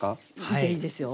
見ていいですよ。